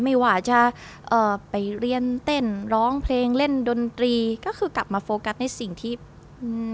ไม่ว่าจะเอ่อไปเรียนเต้นร้องเพลงเล่นดนตรีก็คือกลับมาโฟกัสในสิ่งที่อืม